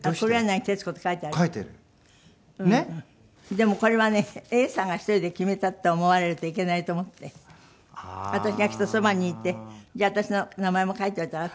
でもこれはね永さんが一人で決めたって思われるといけないと思って私がきっとそばにいて「じゃあ私の名前も書いておいたら」とかって。